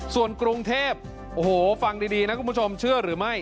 ส่วนกรุงเทพโอ้โหฟังดีนะคุณผู้ชมเชื่อหรือไม่